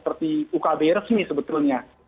seperti ukb resmi sebetulnya